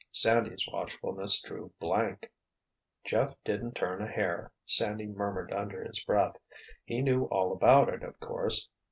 Sandy's watchfulness drew blank. "Jeff didn't turn a hair," Sandy murmured under his breath. "He knew all about it, of course.